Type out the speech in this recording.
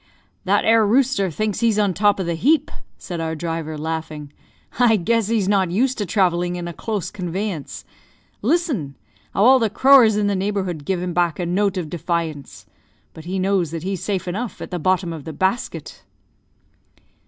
"That 'ere rooster thinks he's on the top of the heap," said our driver, laughing. "I guess he's not used to travelling in a close conveyance. Listen! How all the crowers in the neighbourhood give him back a note of defiance! But he knows that he's safe enough at the bottom of the basket."